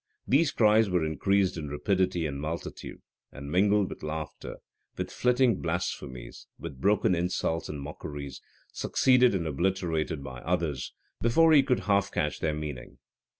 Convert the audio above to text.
These cries were increased in rapidity and multitude, and mingled with laughter, with flitting blasphemies, with broken insults and mockeries, succeeded and obliterated by others, before he could half catch their meaning.